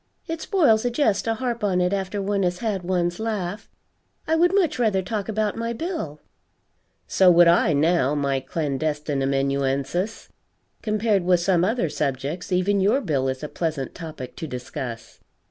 It spoils a jest to harp on it after one has had one's laugh. I would much rather talk about my bill." "So would I, now, my clandestine amanuensis. Compared with some other subjects, even your bill is a pleasant topic to discuss."